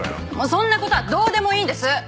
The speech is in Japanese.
そんな事はどうでもいいんです！